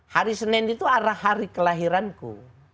hari senen itu adalah hari kelahiranku